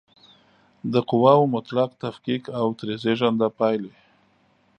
د قواوو مطلق تفکیک او ترې زېږنده پایلې